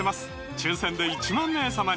抽選で１万名様に！